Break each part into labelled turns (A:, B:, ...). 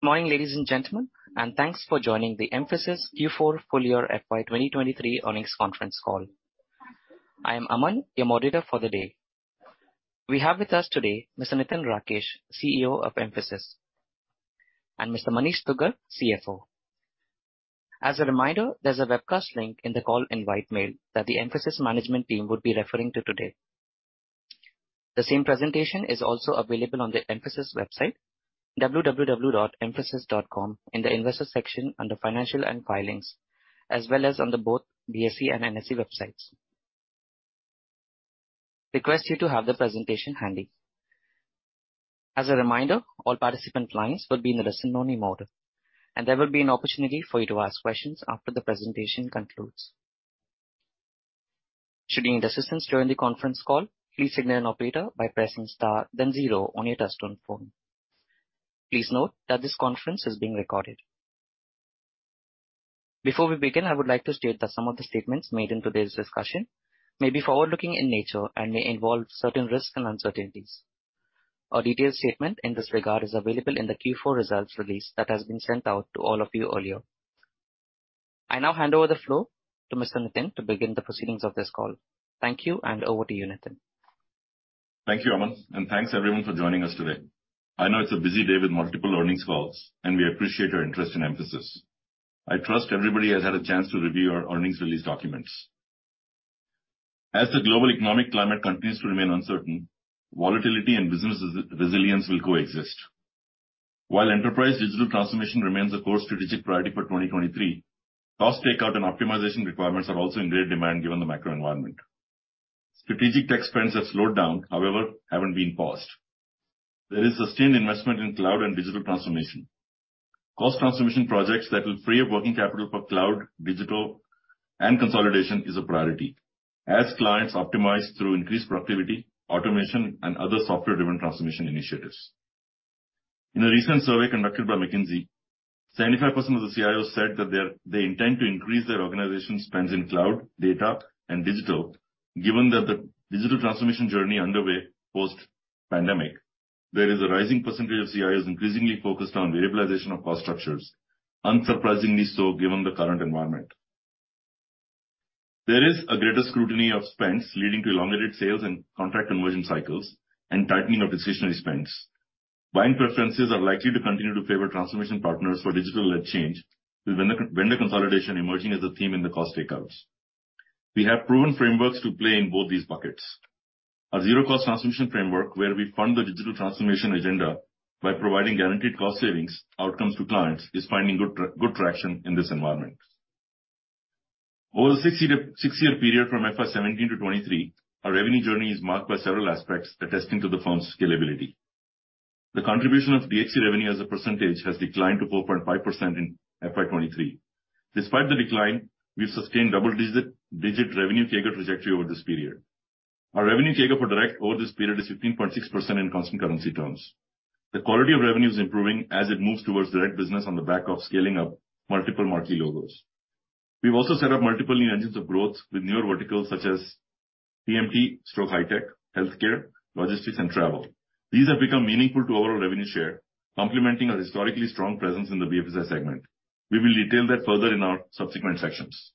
A: Morning, ladies and gentlemen, thanks for joining the Mphasis Q4 full year FY 2023 earnings conference call. I am Aman, your moderator for the day. We have with us today Mr. Nitin Rakesh, CEO of Mphasis, and Mr. Manish Dugar, CFO. As a reminder, there's a webcast link in the call invite mail that the Mphasis management team would be referring to today. The same presentation is also available on the Mphasis website, www.mphasis.com in the investor section under financial and filings, as well as on the both BSE and NSE websites. Request you to have the presentation handy. As a reminder, all participant lines will be in the listen-only mode. There will be an opportunity for you to ask questions after the presentation concludes. Should you need assistance during the conference call, please signal an operator by pressing Star then zero on your touchtone phone. Please note that this conference is being recorded. Before we begin, I would like to state that some of the statements made in today's discussion may be forward-looking in nature and may involve certain risks and uncertainties. A detailed statement in this regard is available in the Q4 results release that has been sent out to all of you earlier. I now hand over the floor to Mr. Nitin to begin the proceedings of this call. Thank you, and over to you, Nitin.
B: Thank you, Aman. Thanks everyone for joining us today.I know it's a busy day with multiple earnings calls. We appreciate your interest in Mphasis. I trust everybody has had a chance to review our earnings release documents. As the global economic climate continues to remain uncertain, volatility and business re-resilience will coexist. While enterprise digital transformation remains a core strategic priority for 2023, cost takeout and optimization requirements are also in great demand given the macro environment. Strategic tech spends have slowed down. However, haven't been paused. There is sustained investment in cloud and digital transformation. Cost transformation projects that will free up working capital for cloud, digital, and consolidation is a priority as clients optimize through increased productivity, automation, and other software-driven transformation initiatives. In a recent survey conducted by McKinsey, 75% of the CIOs said that they intend to increase their organization spends in cloud, data, and digital, given that the digital transformation journey underway post-pandemic. There is a rising percentage of CIOs increasingly focused on variabilization of cost structures, unsurprisingly so given the current environment. There is a greater scrutiny of spends leading to elongated sales and contract conversion cycles and tightening of discretionary spends. Buying preferences are likely to continue to favor transformation partners for digital-led change, with vendor consolidation emerging as a theme in the cost takeouts. We have proven frameworks to play in both these buckets. A zero-cost transformation framework where we fund the digital transformation agenda by providing guaranteed cost savings outcomes to clients is finding good traction in this environment. Over a 60 to 6-year period from FY17 to 2023, our revenue journey is marked by several aspects attesting to the firm's scalability. The contribution of BHC revenue as a percentage has declined to 4.5% in FY2023. Despite the decline, we've sustained double-digit revenue takeout trajectory over this period. Our revenue takeout for direct over this period is 15.6% in constant currency terms. The quality of revenue is improving as it moves towards direct business on the back of scaling up multiple marquee logos. We've also set up multiple new engines of growth with newer verticals such as CMT/high tech, healthcare, logistics, and travel. These have become meaningful to overall revenue share, complementing a historically strong presence in the BFSI segment. We will detail that further in our subsequent sections.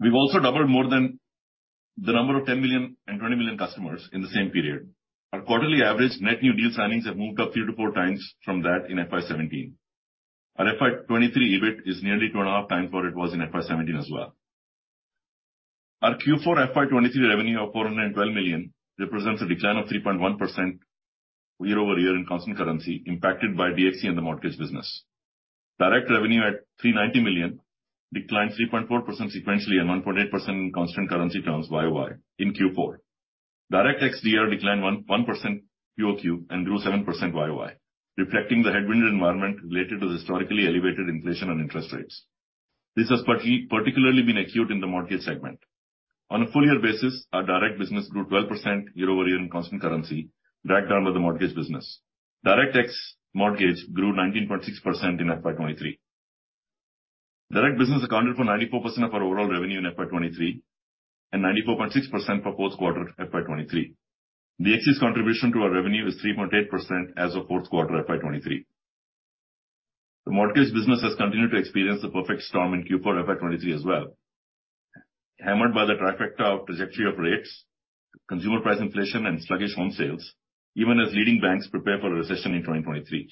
B: We've also doubled more than the number of $10 million and $20 million customers in the same period. Our quarterly average net new deal signings have moved up 3 to 4 times from that in FY 2017. Our FY 2023 EBIT is nearly two and a half times what it was in FY 2017 as well. Our Q4 FY 2023 revenue of $412 million represents a decline of 3.1% year-over-year in constant currency impacted by DXC and the mortgage business. Direct revenue at $390 million declined 3.4% sequentially and 1.8% in constant currency terms YOY in Q4. Direct XDR declined 1.1% QoQ and grew 7% YOY, reflecting the headwind environment related to the historically elevated inflation and interest rates. This has particularly been acute in the mortgage segment. On a full year basis, our direct business grew 12% year-over-year in constant currency, dragged down by the mortgage business. Direct X mortgage grew 19.6% in FY23. Direct business accounted for 94% of our overall revenue in FY23 and 94.6% for Q4 FY23. The excess contribution to our revenue is 3.8% as of Q4 FY23. The mortgage business has continued to experience the perfect storm in Q4 FY23 as well. Hammered by the trajectory of rates, consumer price inflation and sluggish home sales, even as leading banks prepare for a recession in 2023.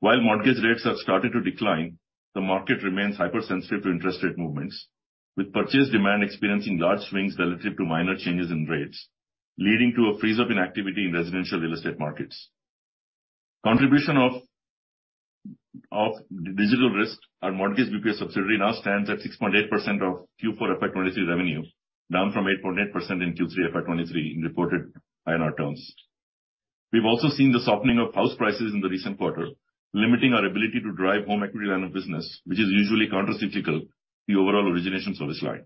B: While mortgage rates have started to decline, the market remains hypersensitive to interest rate movements, with purchase demand experiencing large swings relative to minor changes in rates, leading to a freeze-up in activity in residential real estate markets. Contribution of Digital Risk. Our mortgage BPS subsidiary now stands at 6.8% of Q4 FY23 revenue, down from 8.8% in Q3 FY23 in reported INR terms. We've also seen the softening of house prices in the recent quarter, limiting our ability to drive home equity line of business, which is usually countercyclical to the overall origination service line.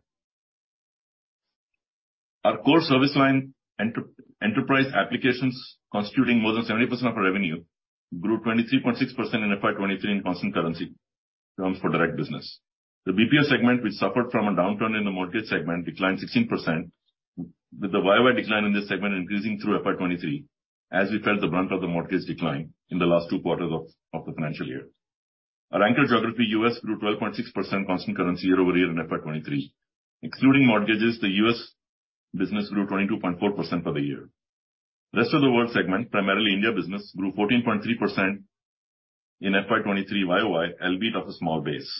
B: Our core service line enterprise applications constituting more than 70% of our revenue grew 23.6% in FY23 in constant currency terms for direct business. The BPO segment, which suffered from a downturn in the mortgage segment, declined 16% with the YOY decline in this segment increasing through FY23 as we felt the brunt of the mortgage decline in the last two quarters of the financial year. Our anchor geography, US, grew 12.6% constant currency year-over-year in FY23. Excluding mortgages, the US business grew 22.4% for the year. Rest of the world segment, primarily India business, grew 14.3% in FY23 YOY, albeit off a small base.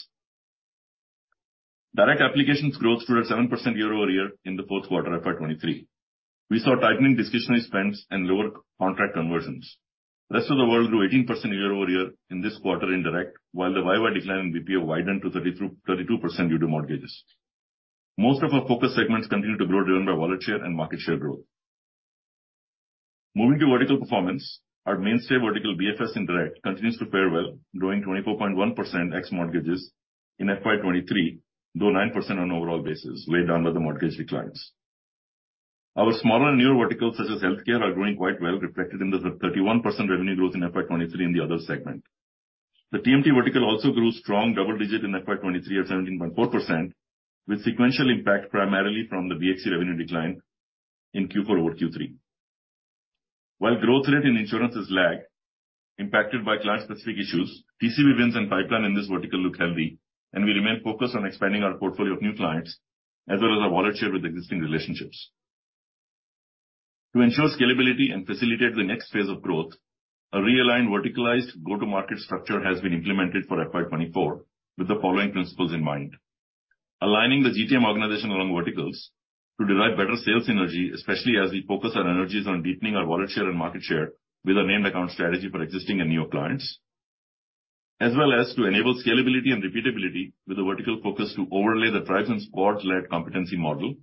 B: Direct applications growth stood at 7% year-over-year in the Q4 FY23. We saw tightening discretionary spends and lower contract conversions. Rest of the world grew 18% year-over-year in this quarter in direct, while the YOY decline in BPO widened to 32% due to mortgages. Most of our focus segments continue to grow, driven by wallet share and market share growth. Moving to vertical performance, our mainstay vertical, BFS and direct, continues to fare well, growing 24.1% ex-mortgages in FY23, though 9% on overall basis, weighed down by the mortgage declines. Our smaller and newer verticals such as healthcare are growing quite well, reflected in the 31% revenue growth in FY23 in the other segment. The TMT vertical also grew strong double-digit in FY23 at 17.4%, with sequential impact primarily from the BHC revenue decline in Q4 over Q3. While growth rate in insurance has lagged, impacted by client-specific issues, TCV wins and pipeline in this vertical look healthy, and we remain focused on expanding our portfolio of new clients as well as our wallet share with existing relationships. To ensure scalability and facilitate the next phase of growth, a realigned verticalized go-to-market structure has been implemented for FY 2024 with the following principles in mind. Aligning the GTM organization along verticals to derive better sales synergy, especially as we focus our energies on deepening our wallet share and market share with a named account strategy for existing and new clients. To enable scalability and repeatability with a vertical focus to overlay the tribes and squads led competency model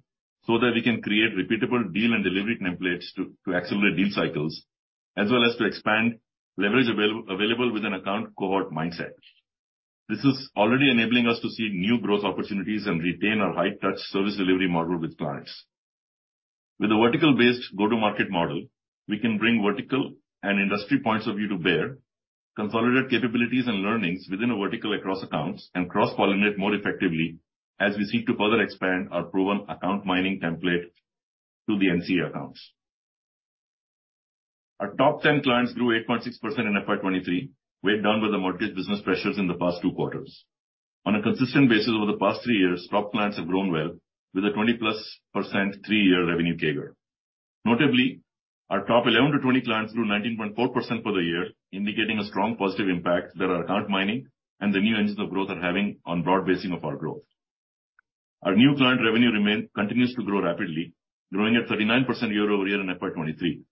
B: so that we can create repeatable deal and delivery templates to accelerate deal cycles as well as to expand leverage available with an account cohort mindset. This is already enabling us to see new growth opportunities and retain our high touch service delivery model with clients. With a vertical based go-to-market model, we can bring vertical and industry points of view to bear, consolidate capabilities and learnings within a vertical across accounts, and cross-pollinate more effectively as we seek to further expand our proven account mining template to the NCA accounts. Our top 10 clients grew 8.6% in FY23. Weighed down with the mortgage business pressures in the past two quarters. On a consistent basis over the past 3 years, top clients have grown well with a 20%+ 3-year revenue CAGR. Notably, our top 11 to 20 clients grew 19.4% for the year, indicating a strong positive impact that our account mining and the new engines of growth are having on broad basing of our growth. Our new client revenue continues to grow rapidly, growing at 39% year-over-year in FY23.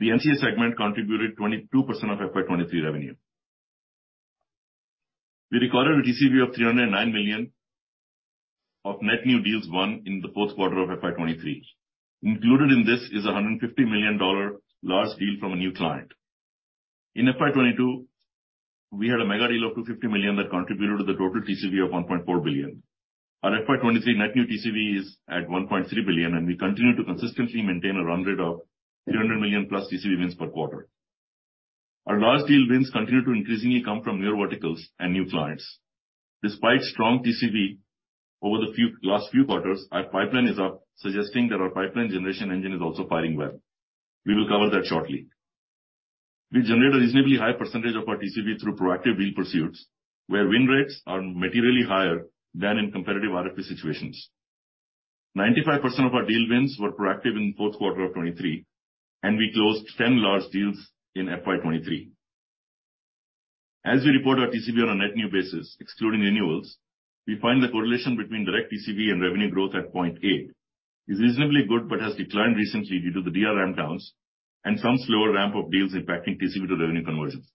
B: The NCA segment contributed 22% of FY23 revenue. We recorded a TCV of $309 million of net new deals won in the Q4 of FY23. Included in this is a $150 million large deal from a new client. In FY22, we had a mega deal of $250 million that contributed to the total TCV of $1.4 billion. Our FY23 net new TCV is at $1.3 billion, and we continue to consistently maintain a run rate of $300 million-plus TCV wins per quarter. Our large deal wins continue to increasingly come from newer verticals and new clients. Despite strong TCV over the last few quarters, our pipeline is up, suggesting that our pipeline generation engine is also firing well. We will cover that shortly. We generate a reasonably high % of our TCV through proactive deal pursuits, where win rates are materially higher than in competitive RFP situations. 95% of our deal wins were proactive in Q4 2023, and we closed 10 large deals in FY 2023. As we report our TCV on a net new basis, excluding renewals, we find the correlation between direct TCV and revenue growth at 0.8. It's reasonably good, but has declined recently due to the DR ramp downs and some slower ramp of deals impacting TCV to revenue conversions.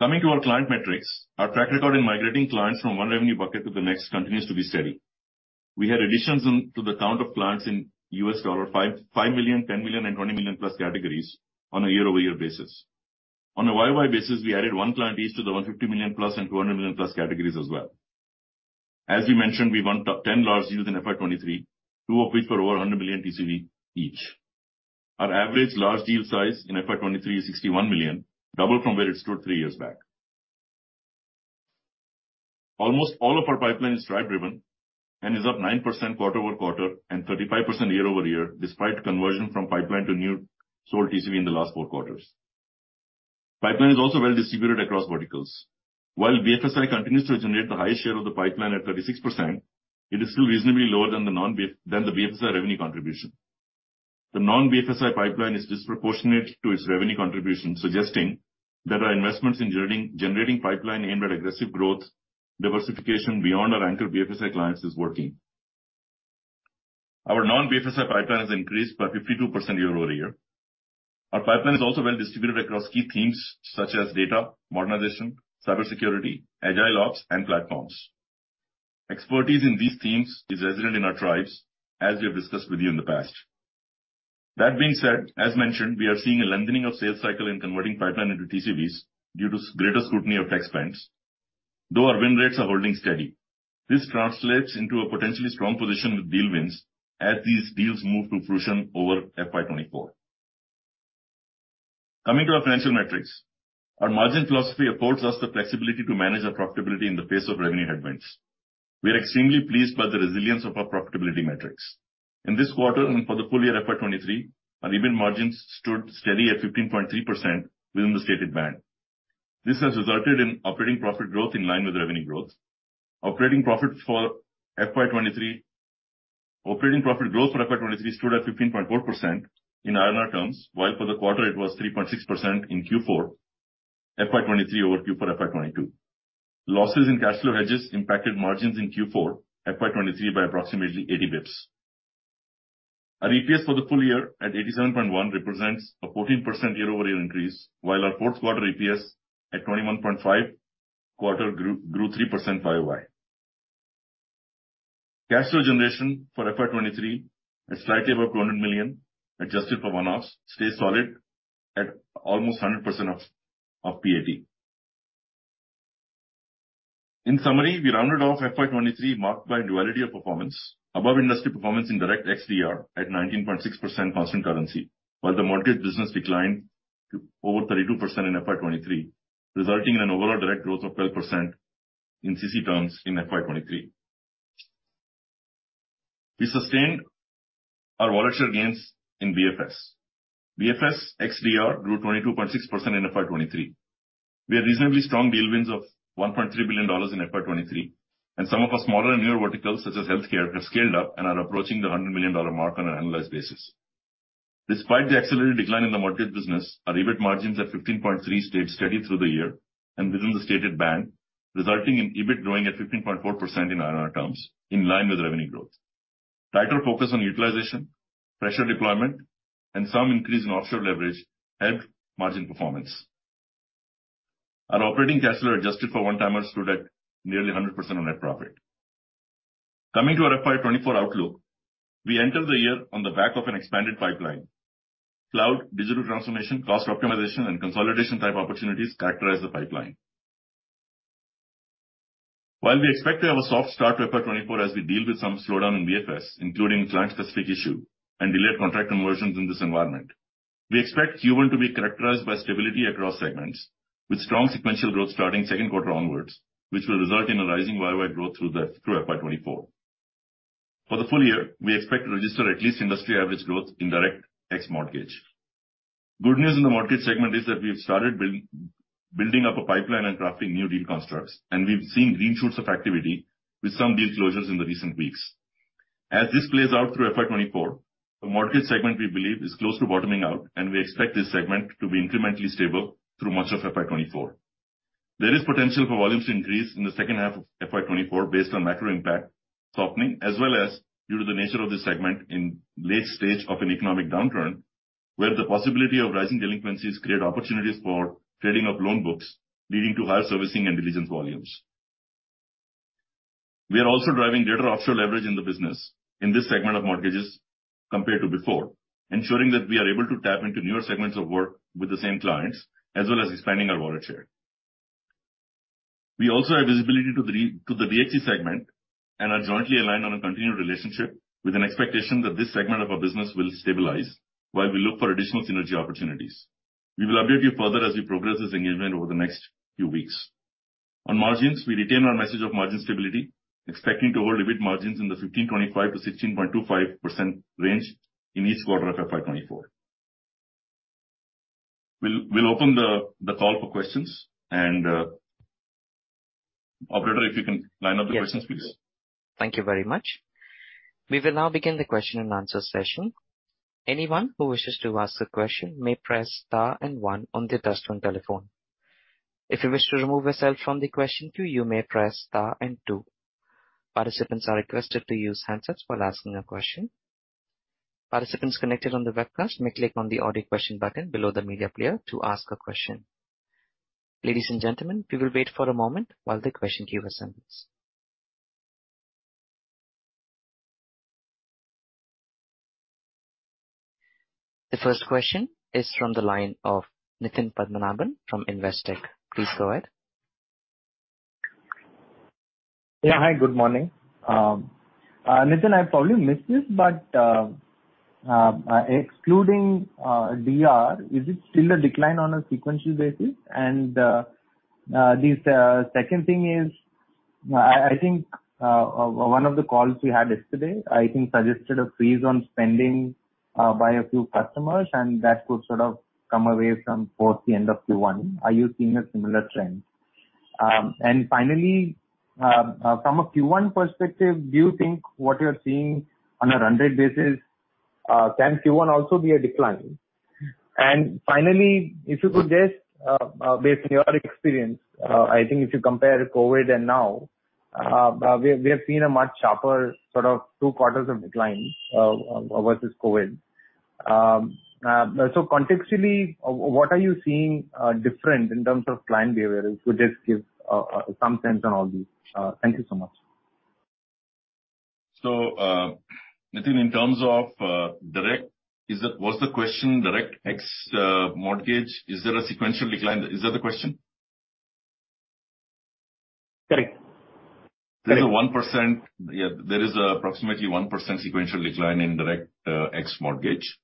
B: Coming to our client metrics, our track record in migrating clients from one revenue bucket to the next continues to be steady. We had additions to the count of clients in $5 million, $10 million, and $20 million-plus categories on a year-over-year basis. YOY basis, we added one client each to the $100 million-plus and $200 million-plus categories as well. As we mentioned, we won top 10 large deals in FY 2023, two of which were over $100 million TCV each. Our average large deal size in FY 2023 is $61 million, double from where it stood three years back. Almost all of our pipeline is drive driven and is up 9% quarter-over-quarter and 35% year-over-year, despite conversion from pipeline to new sold TCV in the last four quarters. Pipeline is also well distributed across verticals. While BFSI continues to generate the highest share of the pipeline at 36%, it is still reasonably lower than the BFSI revenue contribution. The non-BFSI pipeline is disproportionate to its revenue contribution, suggesting that our investments in generating pipeline aimed at aggressive growth diversification beyond our anchor BFSI clients is working. Our non-BFSI pipeline has increased by 52% year-over-year. Our pipeline is also well distributed across key themes such as data, modernization, cybersecurity, agile ops, and platforms. Expertise in these themes is resident in our tribes as we have discussed with you in the past. That being said, as mentioned, we are seeing a lengthening of sales cycle in converting pipeline into TCVs due to greater scrutiny of tax plans, though our win rates are holding steady. This translates into a potentially strong position with deal wins as these deals move to fruition over FY 2024. Coming to our financial metrics. Our margin philosophy affords us the flexibility to manage our profitability in the face of revenue headwinds. We are extremely pleased by the resilience of our profitability metrics. In this quarter and for the full year FY 2023, our EBITDA margins stood steady at 15.3% within the stated band. This has resulted in operating profit growth in line with revenue growth. Operating profit growth for FY 2023 stood at 15.4% in INR terms, while for the quarter it was 3.6% in Q4 FY 2023 over Q4 FY 2022. Losses in cash flow hedges impacted margins in Q4 FY 2023 by approximately 80 basis points. Our EPS for the full year at 87.1 represents a 14% year-over-year increase, while our Q4 EPS at 21.5 grew 3% YOY. Cash flow generation for FY23 at slightly above 200 million, adjusted for one-offs, stays solid at almost 100% of PAT. We rounded off FY23 marked by duality of performance, above industry performance in direct XDR at 19.6% constant currency, while the mortgage business declined to over 32% in FY23, resulting in an overall direct growth of 12% in CC terms in FY23. We sustained our market share gains in BFS. BFS XDR grew 22.6% in FY23. We had reasonably strong deal wins of $1.3 billion in FY23. Some of our smaller and newer verticals such as healthcare have scaled up and are approaching the $100 million mark on an annualized basis. Despite the accelerated decline in the mortgage business, our EBIT margins at 15.3 stayed steady through the year and within the stated band, resulting in EBIT growing at 15.4% in INR terms, in line with revenue growth. Tighter focus on utilization, fresher deployment, and some increase in offshore leverage helped margin performance. Our operating cash flow, adjusted for one-timers, stood at nearly 100% of net profit. Coming to our FY24 outlook. We enter the year on the back of an expanded pipeline. Cloud, digital transformation, cost optimization and consolidation type opportunities characterize the pipeline. While we expect to have a soft start to FY 2024 as we deal with some slowdown in BFS, including client-specific issue and delayed contract conversions in this environment, we expect Q1 to be characterized by stability across segments with strong sequential growth starting Q2 onwards, which will result in a rising YOY growth through FY 2024. For the full year, we expect to register at least industry average growth in direct X mortgage. Good news in the mortgage segment is that we have started building up a pipeline and drafting new deal constructs. We've seen green shoots of activity with some deal closures in the recent weeks. As this plays out through FY 2024, the mortgage segment we believe is close to bottoming out. We expect this segment to be incrementally stable through much of FY 2024. There is potential for volumes to increase in the second half of FY 2024 based on macro impact softening, as well as due to the nature of this segment in late stage of an economic downturn, where the possibility of rising delinquencies create opportunities for trading of loan books, leading to higher servicing and diligence volumes. We are also driving greater offshore leverage in the business in this segment of mortgages compared to before, ensuring that we are able to tap into newer segments of work with the same clients, as well as expanding our market share. We also have visibility to the DXC segment and are jointly aligned on a continued relationship with an expectation that this segment of our business will stabilize while we look for additional synergy opportunities. We will update you further as we progress this engagement over the next few weeks. On margins, we retain our message of margin stability, expecting to hold EBIT margins in the 15.25%-16.25% range in each quarter of FY24. We'll open the call for questions. Operator, if you can line up the questions, please.
A: Thank you very much. We will now begin the question and answer session. Anyone who wishes to ask a question may press star and one on their touchtone telephone. If you wish to remove yourself from the question queue, you may press star and two. Participants are requested to use handsets while asking a question. Participants connected on the webcast may click on the audio question button below the media player to ask a question. Ladies and gentlemen, we will wait for a moment while the question queue assembles. The first question is from the line of Nitin Padmanabhan from Investec. Please go ahead.
C: Yeah. Hi. Good morning. Nitin, I probably missed this, but excluding Digital Risk, is it still a decline on a sequential basis? This second thing is, one of the calls we had yesterday, Isuggested a freeze on spending by a few customers, and that could sort of come away from towards the end of Q1. Are you seeing a similar trend? Finally, from a Q1 perspective, do you think what you're seeing on a run rate basis, can Q1 also be a decline? Finally, if you could just based on your experience, if you compare COVID and now, we have seen a much sharper sort of 2 quarters of decline versus COVID. Contextually, what are you seeing different in terms of client behavior? If you could just give some sense on all these. Thank you so much.'
B: I think in terms of direct, was the question direct ex mortgage? Is there a sequential decline? Is that the question?
C: Correct.
B: There's a 1%. Yeah, there is approximately 1% sequential decline in direct, ex mortgage,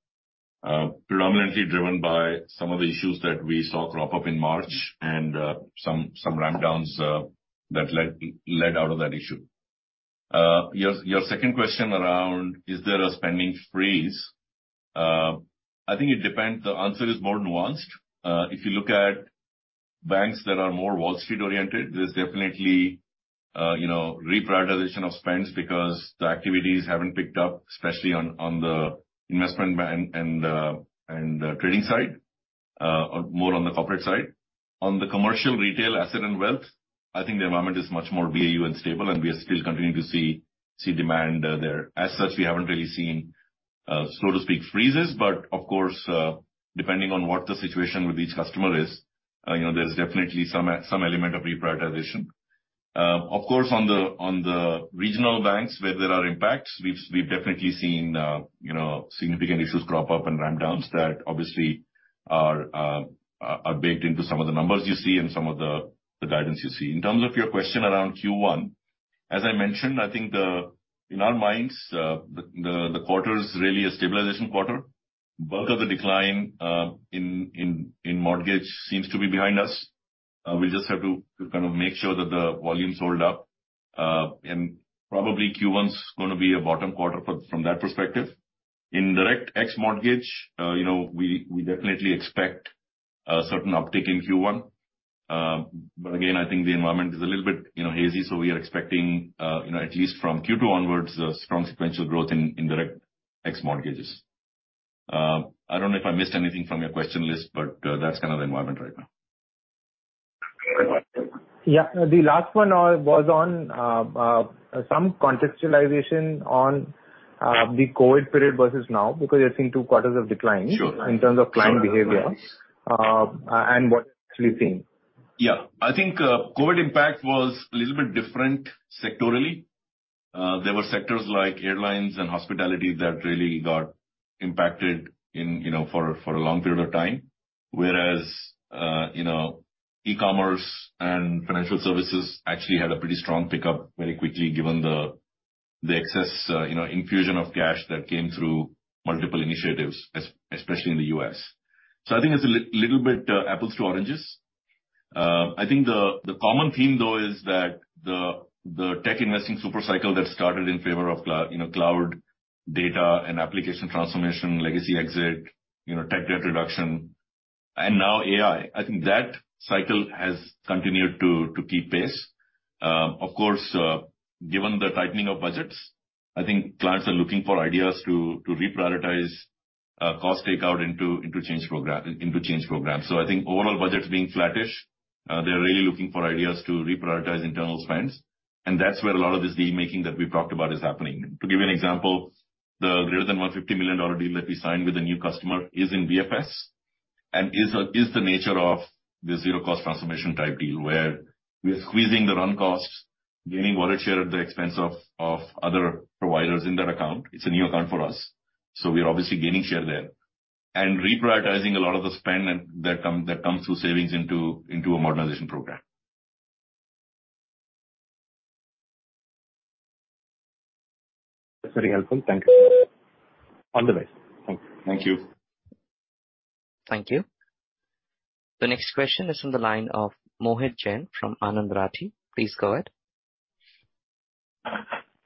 B: predominantly driven by some of the issues that we saw crop up in March and some ramp downs that led out of that issue. Your second question around is there a spending freeze? I think it depends. The answer is more nuanced. If you look at banks that are more Wall Street oriented, there's definitely, you know, reprioritization of spends because the activities haven't picked up, especially on the investment bank and trading side, more on the corporate side. On the commercial retail asset and wealth, I think the environment is much more BAU and stable, and we are still continuing to see demand there. As such, we haven't really seen, so to speak, freezes. Of course, depending on what the situation with each customer is, you know, there's definitely some element of reprioritization. Of course, on the, on the regional banks where there are impacts, we've definitely seen, you know, significant issues crop up and ramp downs that obviously are baked into some of the numbers you see and some of the guidance you see. In terms of your question around Q1, as I mentioned, I think the in our minds, the quarter is really a stabilization quarter. Bulk of the decline in, in mortgage seems to be behind us. We just have to kind of make sure that the volumes hold up. Probably Q1's gonna be a bottom quarter from that perspective. In direct ex mortgage, you know, we definitely expect a certain uptick in Q1. Again, I think the environment is a little bit, you know, hazy. We are expecting, you know, at least from Q2 onwards, a strong sequential growth in direct ex mortgages. I don't know if I missed anything from your question list. That's kind of the environment right now.
C: The last one was on some contextualization on the COVID period versus now, because you've seen two quarters of decline.
B: Sure.
C: in terms of client behavior. What seeing.
B: Yeah. I think COVID impact was a little bit different sectorally. There were sectors like airlines and hospitality that really got impacted, for a long period of time. Whereas, e-commerce and financial services actually had a pretty strong pickup very quickly given the excess, you know, infusion of cash that came through multiple initiatives, especially in the U.S. It's a little bit apples to oranges. The common theme, though, is that the tech investing super cycle that started in favor of you know, cloud data and application transformation, legacy exit, you know, tech debt reduction, and now AI, Ithat cycle has continued to keep pace. Of course, given the tightening of budgets, clients are looking for ideas to reprioritize cost takeout into change programs. IOverall budgets being flattish, they're really looking for ideas to reprioritize internal spends. That's where a lot of this deal-making that we've talked about is happening. To give you an example, the greater than $150 million deal that we signed with a new customer is in BFS and is the nature of the zero cost transformation type deal where we are squeezing the run costs, gaining wallet share at the expense of other providers in that account. It's a new account for us. We're obviously gaining share there. Reprioritizing a lot of the spend and that comes through savings into a modernization program.
C: That's very helpful. Thank you. All the best. Thank you.
B: Thank you.
A: Thank you. The next question is from the line of Mohit Jain from Anand Rathi. Please go ahead.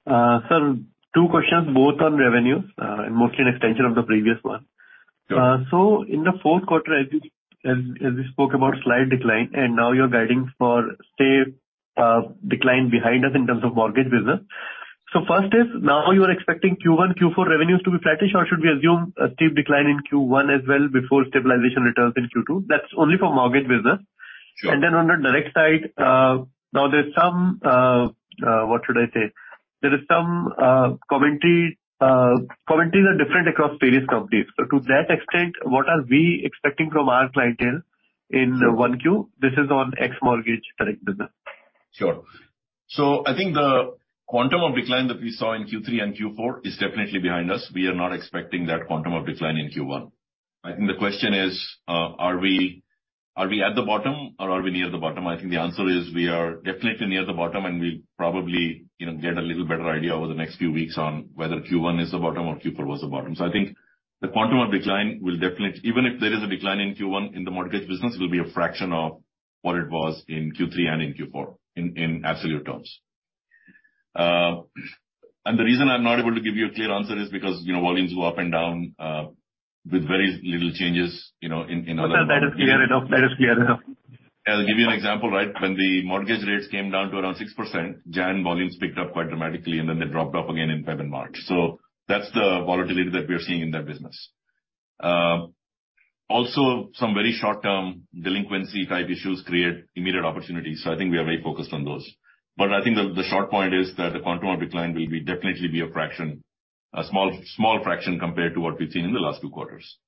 D: Sir, two questions, both on revenue, mostly an extension of the previous one.
B: Sure.
D: In the Q4, as you spoke about slight decline, and now you're guiding for, say, decline behind us in terms of mortgage business. First is now you are expecting Q1, Q4 revenues to be flattish, or should we assume a steep decline in Q1 as well before stabilization returns in Q2? That's only for mortgage business.
B: Sure.
D: On the direct side, now there's some, what should I say? There is some commentaries are different across various companies. To that extent, what are we expecting from our clientele in 1Q? This is on ex mortgage direct business.
B: Sure. the quantum of decline that we saw in Q3 and Q4 is definitely behind us. We are not expecting that quantum of decline in Q1. The question is, are we at the bottom or are we near the bottom? I think the answer is we are definitely near the bottom, and we'll probably, you know, get a little better idea over the next few weeks on whether Q1 is the bottom or Q4 was the bottom. I think the quantum of decline will definitely. even if there is a decline in Q1 in the mortgage business, it will be a fraction of what it was in Q3 and in Q4 in absolute terms. The reason I'm not able to give you a clear answer is because, you know, volumes go up and down, with very little changes.
D: Sir, that is clear enough. That is clear enough.
B: I'll give you an example, right? When the mortgage rates came down to around 6%, January volumes picked up quite dramatically, and then they dropped off again in February and March. That's the volatility that we are seeing in that business. Also some very short-term delinquency type issues create immediate opportunities, so I think we are very focused on those. I think the short point is that the quantum of decline will definitely be a fraction, a small fraction compared to what we've seen in the last two quarters.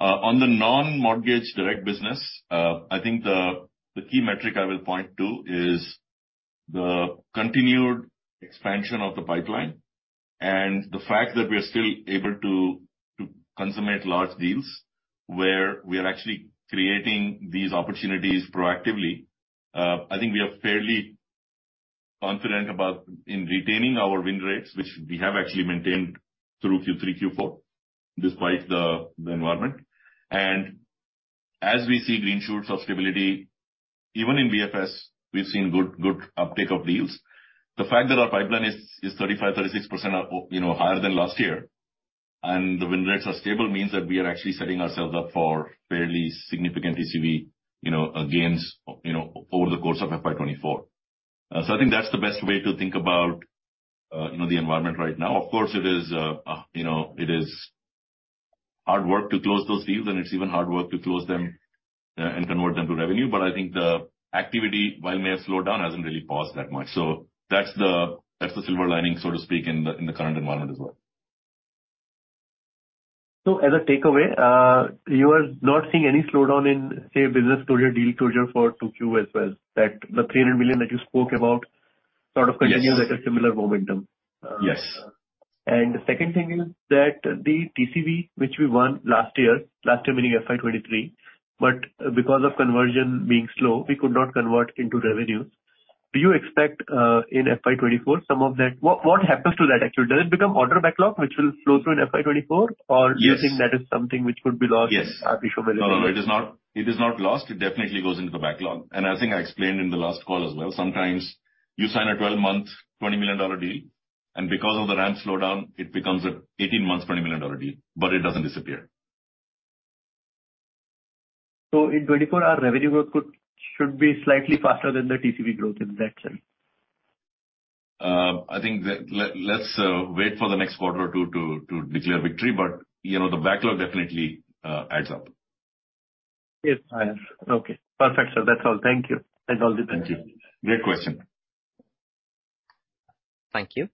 B: On the non-mortgage direct business, I think the key metric I will point to is the continued expansion of the pipeline and the fact that we are still able to consummate large deals where we are actually creating these opportunities proactively. I think we are fairly confident about in retaining our win rates, which we have actually maintained through Q3, Q4 despite the environment. As we see green shoots of stability, even in BFS, we've seen good uptake of deals. The fact that our pipeline is 35%, 36%, you know, higher than last year and the win rates are stable means that we are actually setting ourselves up for fairly significant TCV gains, you know, over the course of FY 2024. So I think that's the best way to think about, you know, the environment right now. Of course, it is hard work to close those deals and it's even hard work to close them, and convert them to revenue. The activity, while it may have slowed down, hasn't really paused that much. That's the silver lining, so to speak, in the current environment as well.
D: as a takeaway, you are not seeing any slowdown in, say, business closure, deal closure for 2Q as well. That the $300 million that you spoke about sort of continues-?
B: Yes.
D: at a similar momentum.
B: Yes.
D: The second thing is that the TCV, which we won last year. Last year meaning FY 2023, but because of conversion being slow, we could not convert into revenues. Do you expect, in FY 2024 some of that... What happens to that actually? Does it become order backlog, which will flow through in FY 2024?
B: Yes.
D: Do you think that is something which could be lost-?
B: Yes.
D: in future releases?
B: No, it is not, it is not lost. It definitely goes into the backlog. I think I explained in the last call as well. Sometimes you sign a 12-month $20 million deal, and because of the ramp slowdown, it becomes an 18-months $20 million deal, but it doesn't disappear.
D: In 2024, our revenue growth should be slightly faster than the TCV growth in that sense.
B: I think let's wait for the next quarter or two to declare victory. the backlog definitely adds up.
D: Yes. Okay. Perfect, sir. That's all. Thank you. That's all.
B: Thank you. Great question.
A: Thank you.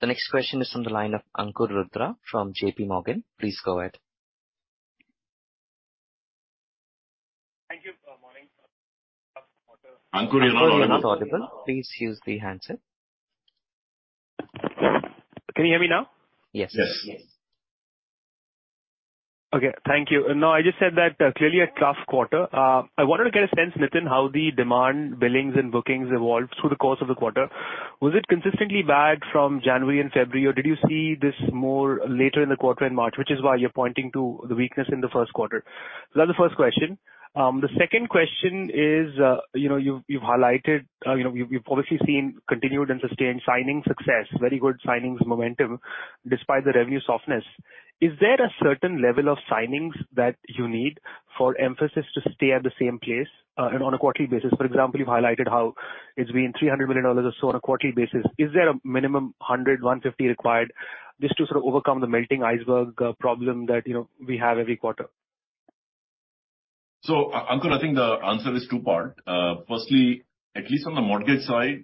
A: The next question is from the line of Ankur Rudra from JPMorgan. Please go ahead.
E: Thank you. Morning.
B: Ankur, you're not audible.
F: Ankur, you're not audible. Please use the handset.
E: Can you hear me now?
A: Yes.
B: Yes.
E: Okay. Thank you. No, I just said that, clearly a tough quarter. I wanted to get a sense, Nitin, how the demand, billings and bookings evolved through the course of the quarter. Was it consistently bad from January and February, or did you see this more later in the quarter in March, which is why you're pointing to the weakness in the Q1? That's the first question. The second question is, you know, you've highlighted, you know, we've obviously seen continued and sustained signing success, very good signings momentum despite the revenue softness. Is there a certain level of signings that you need for Mphasis to stay at the same place, and on a quarterly basis? For example, you've highlighted how it's been $300 million or so on a quarterly basis. Is there a minimum 100, 150 required just to sort of overcome the melting iceberg problem that, you know, we have every quarter?
B: Ankur, I think the answer is two-part. Firstly, at least on the mortgage side,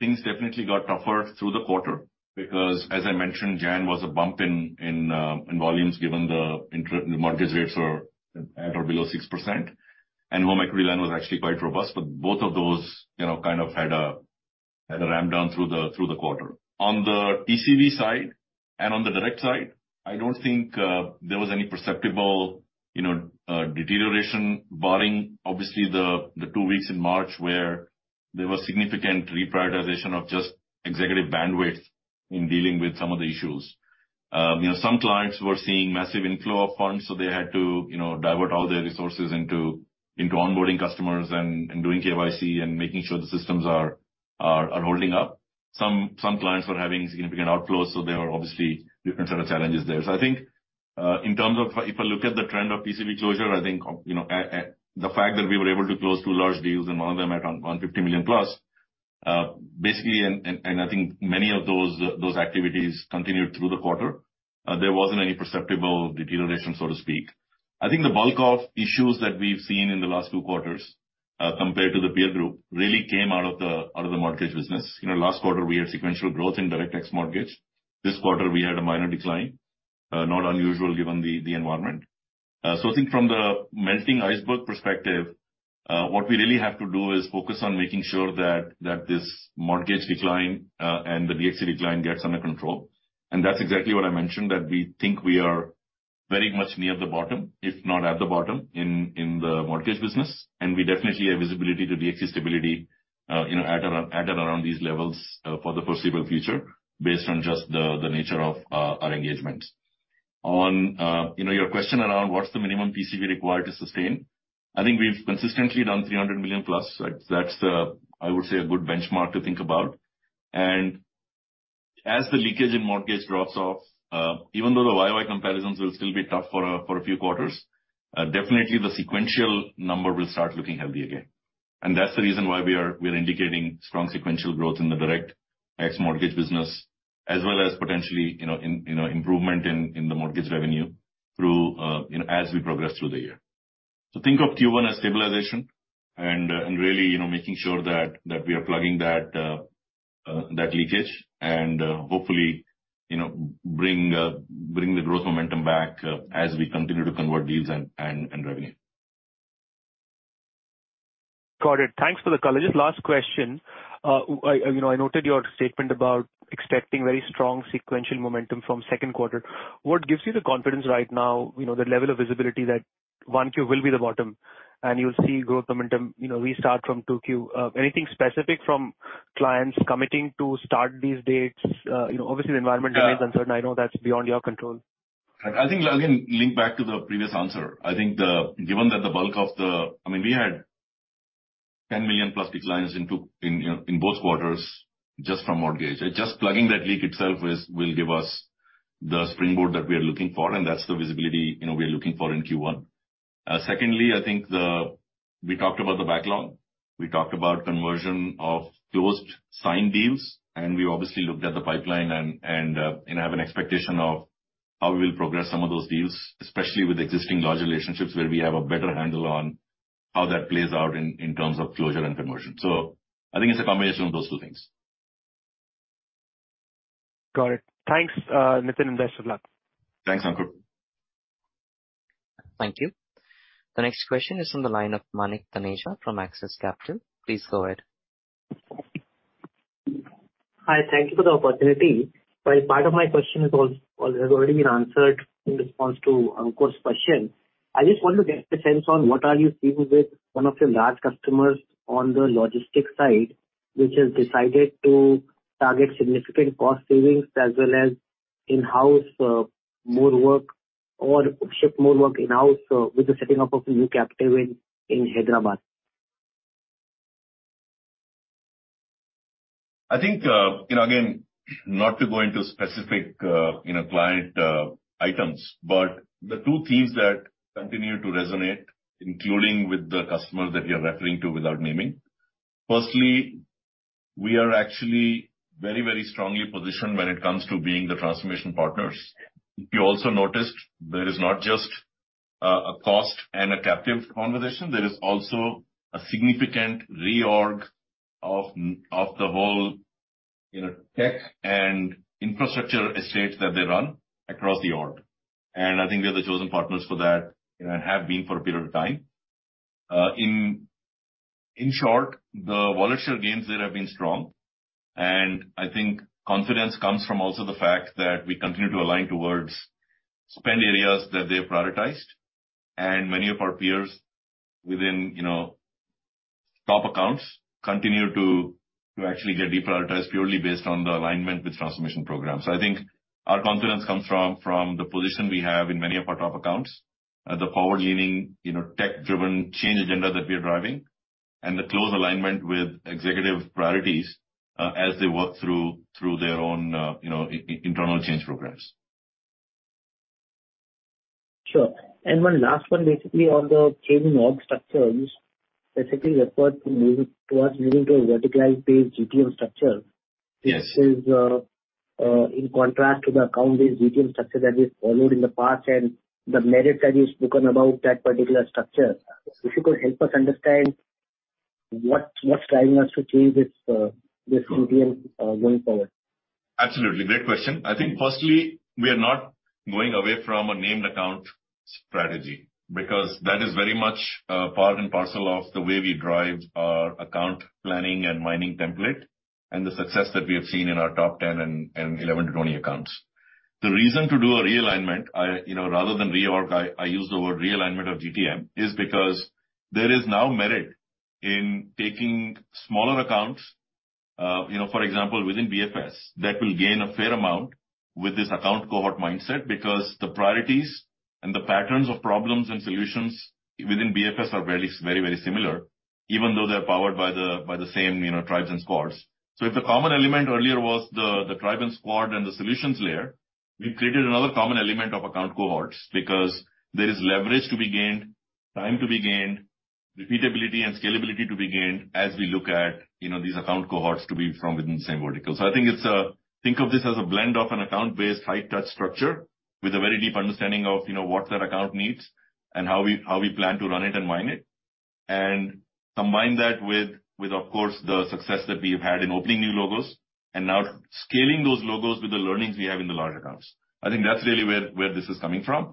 B: things definitely got tougher through the quarter because as I mentioned, January was a bump in volumes given the mortgage rates are at or below 6%. Home equity line was actually quite robust, but both of those, you know, kind of had a, had a ramp down through the, through the quarter. On the TCV side and on the direct side, I don't think there was any perceptible, you know, deterioration barring obviously the two weeks in March where there was significant reprioritization of just executive bandwidth in dealing with some of the issues. Some clients were seeing massive inflow of funds, so they had to, you know, divert all their resources into onboarding customers and doing KYC and making sure the systems are holding up. Some clients were having significant outflows, so there are obviously different sort of challenges there. in terms of if I look at the trend of TCV closure, the fact that we were able to close two large deals and one of them at $150 million+, basically, and I think many of those activities continued through the quarter. There wasn't any perceptible deterioration, so to speak. The bulk of issues that we've seen in the last two quarters, compared to the peer group really came out of the mortgage business. You know, last quarter we had sequential growth in direct X mortgage. This quarter we had a minor decline. Not unusual given the environment. So I think from the melting iceberg perspective, what we really have to do is focus on making sure that this mortgage decline, and the DFS decline gets under control. That's exactly what I mentioned, that we think we are very much near the bottom, if not at the bottom in the mortgage business. We definitely have visibility to the DFS stability, you know, at around these levels for the foreseeable future based on just the nature of our engagement. On, your question around what's the minimum TCV required to sustain, I think we've consistently done $300 million plus. That's, I would say a good benchmark to think about. As the leakage in mortgage drops off, even though the YOY comparisons will still be tough for a, for a few quarters, definitely the sequential number will start looking healthy again. That's the reason why we're indicating strong sequential growth in the direct X mortgage business as well as potentially, you know, improvement in the mortgage revenue through, you know, as we progress through the year. Think of Q1 as stabilization and really, you know, making sure that we are plugging that leakage and hopefully, you know, bring the growth momentum back as we continue to convert deals and revenue.
E: Got it. Thanks for the color. Just last question. I noted your statement about expecting very strong sequential momentum from Q2. What gives you the confidence right now, you know, the level of visibility that 1Q will be the bottom and you'll see growth momentum, you know, restart from 2Q? Anything specific from clients committing to start these dates? Obviously the environment remains-
B: Yeah.
E: uncertain. I know that's beyond your control.
B: I'll, again, link back to the previous answer. I mean, we had $10 million-plus declines in both quarters just from mortgage. Just plugging that leak itself will give us the springboard that we are looking for, and that's the visibility, you know, we are looking for in Q1. Secondly, we talked about the backlog. We talked about conversion of closed signed deals, we obviously looked at the pipeline and, you know, have an expectation of how we'll progress some of those deals, especially with existing large relationships where we have a better handle on how that plays out in terms of closure and conversion. I think it's a combination of those two things.
E: Got it. Thanks, Nitin, and best of luck.
B: Thanks, Ankur.
A: Thank you. The next question is on the line of Manik Taneja from Axis Capital. Please go ahead.
G: Hi. Thank you for the opportunity. While part of my question has already been answered in response to Ankur's question, I just want to get a sense on what are you seeing with one of your large customers on the logistics side which has decided to target significant cost savings as well as in-house, more work or ship more work in-house, with the setting up of a new captive in Hyderabad.
B: Again, not to go into specific, you know, client, items, but the two themes that continue to resonate, including with the customer that you're referring to without naming. Firstly, we are actually very, very strongly positioned when it comes to being the transformation partners. If you also noticed, there is not just a cost and a captive conversation, there is also a significant reorg of the whole, you know, tech and infrastructure estate that they run across the org. I think we are the chosen partners for that, you know, and have been for a period of time. In, in short, the wallet share gains there have been strong. I think confidence comes from also the fact that we continue to align towards spend areas that they've prioritized. Many of our peers within top accounts continue to actually get deprioritized purely based on the alignment with transformation programs. I think our confidence comes from the position we have in many of our top accounts, the forward-leaning, you know, tech-driven change agenda that we are driving and the close alignment with executive priorities, as they work through their own, you know, internal change programs.
G: Sure. one last one, basically on the changing org structures, specifically referred to towards moving to a vertical-based GTM structure.
B: Yes.
G: This is in contrast to the account-based GTM structure that we've followed in the past and the merit that you've spoken about that particular structure. If you could help us understand what's driving us to change this GTM going forward?
B: Absolutely. Great question. I think firstly, we are not going away from a named account strategy because that is very much part and parcel of the way we drive our account planning and mining template and the success that we have seen in our top 10 and 11 to 20 accounts. The reason to do a realignment, I, you know, rather than reorg, I use the word realignment of GTM, is because there is now merit in taking smaller accounts, you know, for example, within BFS, that will gain a fair amount with this account cohort mindset because the priorities and the patterns of problems and solutions within BFS are very, very, very similar, even though they're powered by the same tribes and squads. If the common element earlier was the tribe and squad and the solutions layer, we've created another common element of account cohorts because there is leverage to be gained, time to be gained, repeatability and scalability to be gained as we look at, you know, these account cohorts to be from within the same vertical. Think of this as a blend of an account-based high touch structure with a very deep understanding of, you know, what that account needs and how we plan to run it and mine it. Combine that with of course, the success that we have had in opening new logos and now scaling those logos with the learnings we have in the large accounts. that's really where this is coming from.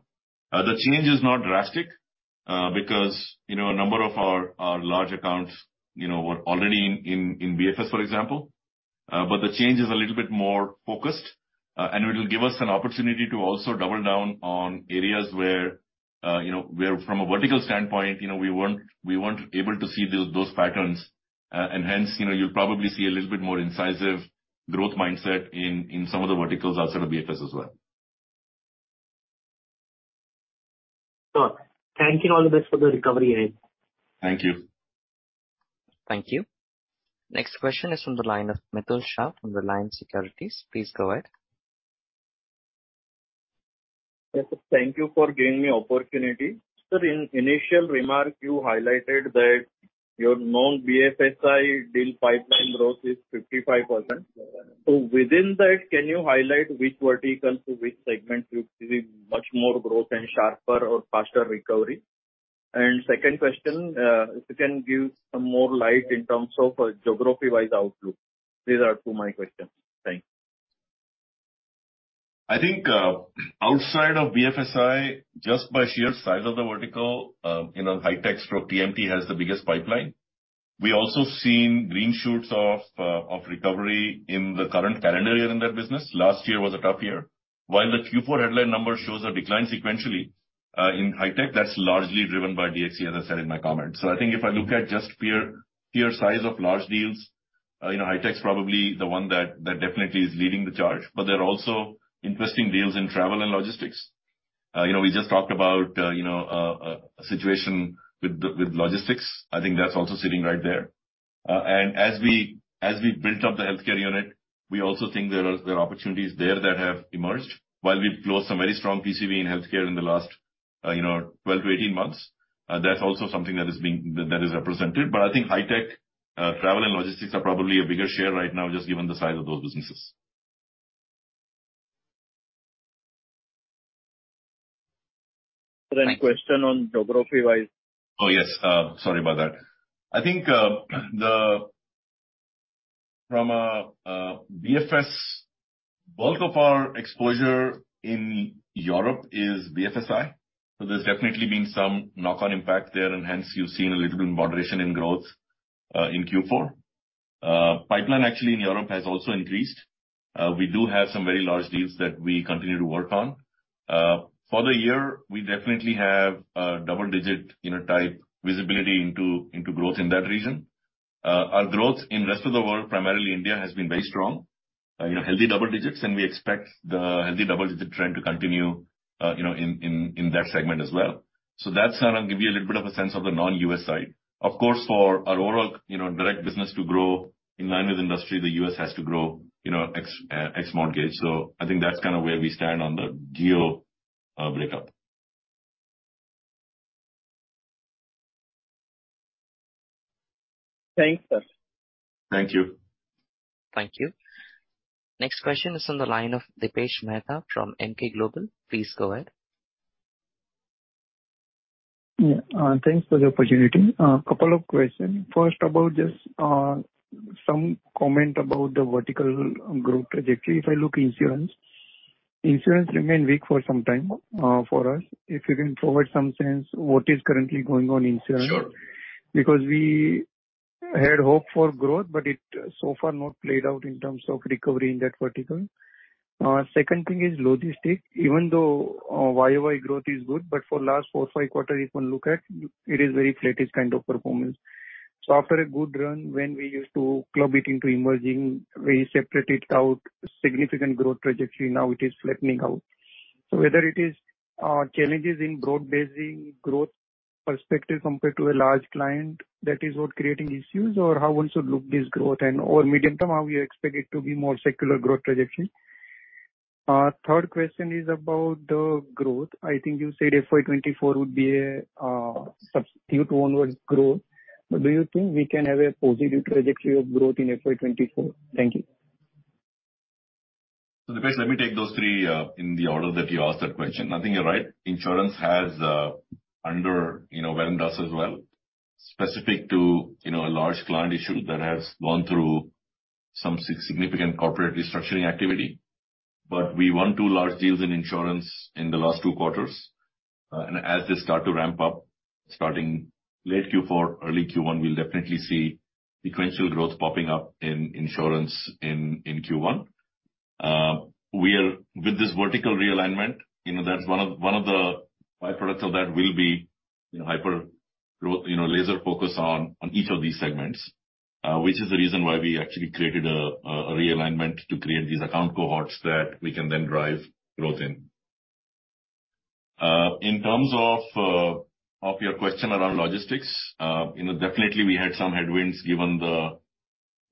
B: The change is not drastic, because, you know, a number of our large accounts, you know, were already in BFS, for example. The change is a little bit more focused, and it will give us an opportunity to also double down on areas where, you know, where from a vertical standpoint, you know, we weren't able to see those patterns. Hence, you know, you'll probably see a little bit more incisive growth mindset in some of the verticals outside of BFS as well.
G: Sure. Thank you. All the best for the recovery ahead.
B: Thank you.
A: Thank you. Next question is on the line of Mitul Shah from the Reliance Securities Please go ahead.
H: Yes, sir. Thank you for giving me opportunity. Sir, in initial remark you highlighted that Your non BFSI deal pipeline growth is 55%. Within that, can you highlight which vertical to which segment you're seeing much more growth and sharper or faster recovery? Second question, if you can give some more light in terms of geography-wise outlook. These are two my questions. Thanks.
B: I think, outside of BFSI, just by sheer size of the vertical, you know, high-tech for TMT has the biggest pipeline. We also seen green shoots of recovery in the current calendar year in that business. Last year was a tough year. While the Q4 headline number shows a decline sequentially in high-tech, that's largely driven by DXC, as I said in my comment. I think if I look at just peer size of large deals, you know, high-tech's probably the one that definitely is leading the charge. There are also interesting deals in travel and logistics. You know, we just talked about, you know, a situation with logistics. I think that's also sitting right there. As we built up the healthcare unit, we also think there are opportunities there that have emerged. While we've closed some very strong TCV in healthcare in the last, you know, 12-18 months, that's also something that is represented. I think high-tech, travel and logistics are probably a bigger share right now, just given the size of those businesses.
H: Question on geography-wise.
I: Yes. Sorry about that.
H: I think, from a BFS, bulk of our exposure in Europe is BFSI.
B: There's definitely been some knock-on impact there, and hence you've seen a little bit of moderation in growth in Q4. Pipeline actually in Europe has also increased. We do have some very large deals that we continue to work on. For the year, we definitely have double digit, you know, type visibility into growth in that region. Our growth in rest of the world, primarily India, has been very strong. You know, healthy double digits, and we expect the healthy double digit trend to continue, you know, in that segment as well. That's how I'll give you a little bit of a sense of the non-U.S. side. Of course, for our overall, direct business to grow in line with industry, the U.S. has to grow, you know, ex mortgage. I think that's kinda where we stand on the geo breakup.
H: Thanks, sir.
B: Thank you.
A: Thank you. Next question is on the line of Dipesh Mehta fromEmkay Global Financial. Please go ahead.
J: Thanks for the opportunity. Couple of question. First, about just some comment about the vertical growth trajectory. If I look insurance remained weak for some time for us. If you can provide some sense what is currently going on in insurance?
B: Sure.
J: We had hope for growth, but it so far not played out in terms of recovery in that vertical. Second thing is logistics. Even though, YOY growth is good, but for last four, five quarters if one look at, it is very flattish kind of performance. After a good run when we used to club it into emerging, we separate it out, significant growth trajectory, now it is flattening out. Whether it is challenges in broad-basing growth perspective compared to a large client that is what creating issues, or how one should look this growth, or medium term, how we expect it to be more secular growth projection. Third question is about the growth. I think you said FY 2024 would be a substitute onwards growth. Do you think we can have a positive trajectory of growth in FY 2024? Thank you.
B: Dipesh, let me take those three in the order that you asked that question. I think you're right. Insurance has, you know, weather dust as well, specific to, you know, a large client issue that has gone through some significant corporate restructuring activity. We won two large deals in insurance in the last two quarters. As they start to ramp up, starting late Q4, early Q1, we'll definitely see sequential growth popping up in insurance in Q1. With this vertical realignment, you know, that's one of the byproducts of that will be, hyper growth laser focus on each of these segments. Which is the reason why we actually created a realignment to create these account cohorts that we can then drive growth in. In terms of your question around logistics, you know, definitely we had some headwinds given the